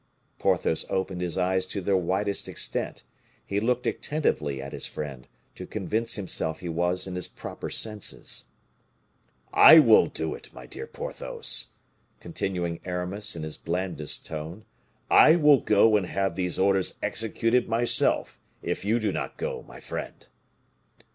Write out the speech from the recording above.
Porthos opened his eyes to their widest extent. He looked attentively at his friend, to convince himself he was in his proper senses. "I will do it, my dear Porthos," continued Aramis, in his blandest tone; "I will go and have these orders executed myself, if you do not go, my friend."